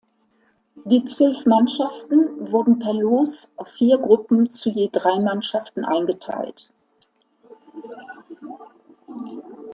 Die zwölf Mannschaften wurden per Los auf vier Gruppen zu je drei Mannschaften eingeteilt.